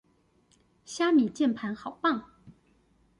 蝦米鍵盤好棒